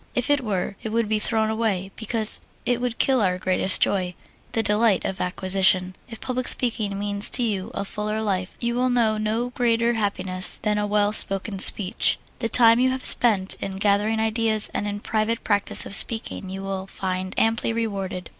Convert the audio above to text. If it were, it would be thrown away, because it would kill our greatest joy the delight of acquisition. If public speaking means to you a fuller life, you will know no greater happiness than a well spoken speech. The time you have spent in gathering ideas and in private practise of speaking you will find amply rewarded.